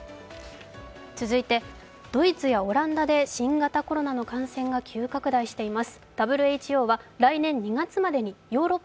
続いて、ドイツやオランダで新型コロナの感染が急拡大しています。